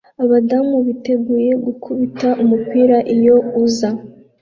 Abadamu biteguye gukubita umupira iyo uza